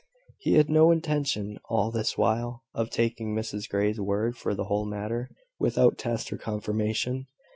He had no intention, all this while, of taking Mrs Grey's word for the whole matter, without test or confirmation.